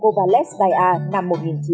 ovalet dia năm một nghìn chín trăm chín mươi chín